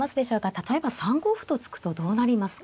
例えば３五歩と突くとどうなりますか。